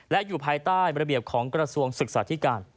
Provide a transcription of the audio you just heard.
และอยู่ภายใต้ระเบียบของกระทรวงศึกษาธิการ